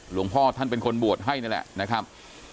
หลวงพ่อท่านเป็นคนบวชให้นั่นแหละนะครับ